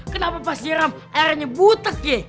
kenapa pas siram airnya butek ye